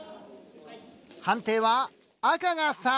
判定は赤が３。